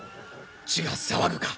血が騒ぐか。